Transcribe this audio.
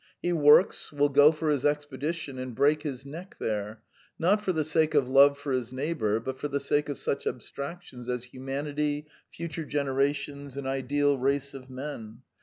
He works, will go for his expedition and break his neck there, not for the sake of love for his neighbour, but for the sake of such abstractions as humanity, future generations, an ideal race of men.